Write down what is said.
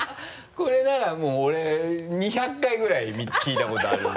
これならもう俺２００回ぐらい聞いたことある。